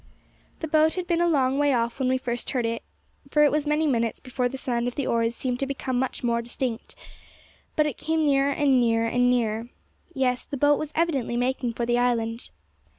The boat had been a long way off when we first heard it, for it was many minutes before the sound of the oars seemed to become much more distinct. But it came nearer, and nearer, and nearer. Yes, the boat was evidently making for the island.